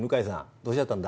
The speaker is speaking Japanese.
どうしちゃったんだ？